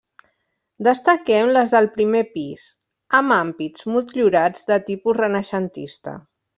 Destaquem les del primer pis, amb ampits motllurats de tipus renaixentista.